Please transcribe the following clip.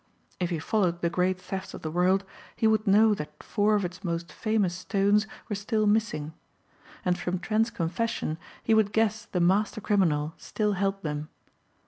If he followed the great thefts of the world he would know that four of its most famous stones were still missing. And from Trent's confession he would guess the master criminal still held them.